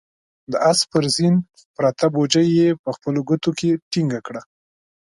د آس پر زين پرته بوجۍ يې په خپلو ګوتو کې ټينګه کړه.